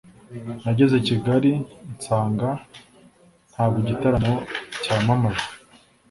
nageze Kigali nsanga ntabwo igitaramo cyamamajwe